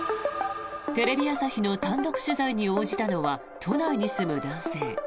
テレビ朝日の単独取材に応じたのは都内に住む男性。